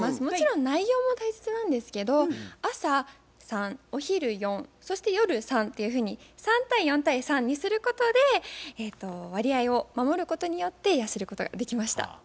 もちろん内容も大切なんですけど朝３お昼４そして夜３っていうふうに３対４対３にすることで割合を守ることによって痩せることができました。